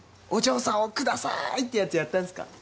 お嬢さんを下さいってやつやったんすか？